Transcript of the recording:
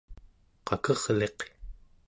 qakerliq